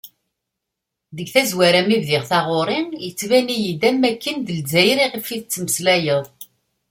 Deg tazwara mi bdiɣ taɣuri, yettban-iyi-d am wakken d Lzzayer i ɣef d-tettmeslayeḍ.